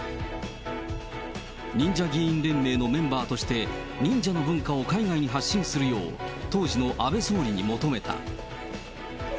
忍者議員連盟のメンバーとして、忍者の文化を海外に発信するよう、当時の安倍総理に求めた。